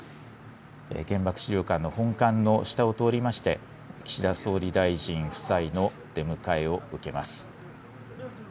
原爆資料館の本館の下を通りまして、岸田総理大臣夫妻の出迎えを受けます。